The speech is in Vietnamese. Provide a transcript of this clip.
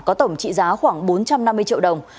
có tổng trị giá khoảng bốn trăm năm mươi triệu đồng